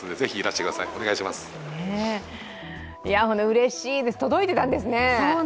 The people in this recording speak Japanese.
うれしいです、届いてたんですね。